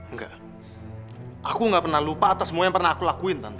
enggak aku gak pernah lupa atas semua yang pernah aku lakuin